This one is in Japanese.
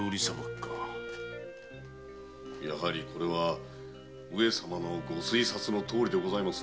やはり上様のご推察のとおりでございますな。